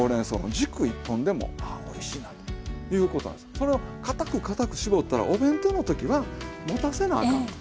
それはかたくかたく絞ったらお弁当の時はもたせなあかんと。